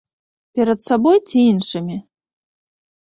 Перад сабой ці іншымі?